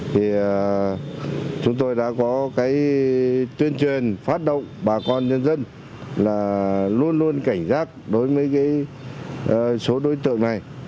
thì chúng tôi đã có cái tuyên truyền phát động bà con nhân dân là luôn luôn cảnh giác đối với số đối tượng này